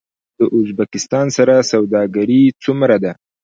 د ازبکستان سره سوداګري څومره ده؟